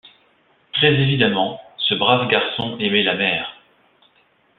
Très évidemment, ce brave garçon aimait la mer.